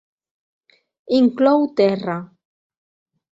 Inclou terra.